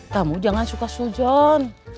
kamu jangan suka sujon